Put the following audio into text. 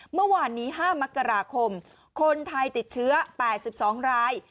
เมื่อวานนี้๕มกราคมคนไทยติดเชื้อ๘๒ราย